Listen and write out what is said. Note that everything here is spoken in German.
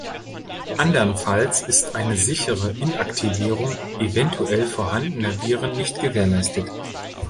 Andernfalls ist eine sichere Inaktivierung eventuell vorhandener Viren nicht gewährleistet.